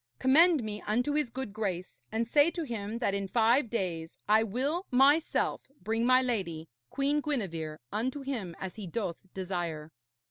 Commend me unto his good grace, and say to him that in five days I will myself bring my lady, Queen Gwenevere, unto him as he doth desire.'